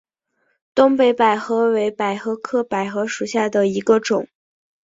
东北百合为百合科百合属下的一个种。